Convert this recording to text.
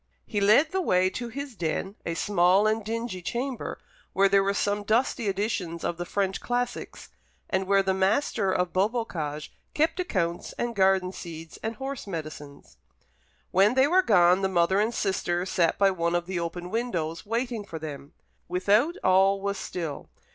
He led the way to his den, a small and dingy chamber, where there were some dusty editions of the French classics, and where the master of Beaubocage kept accounts and garden seeds and horse medicines. When they were gone, the mother and sister sat by one of the open windows, waiting for them. Without all was still.